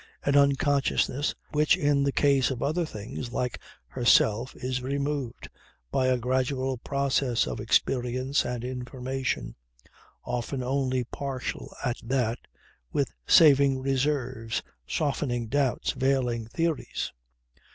An unconsciousness which in the case of other beings like herself is removed by a gradual process of experience and information, often only partial at that, with saving reserves, softening doubts, veiling theories.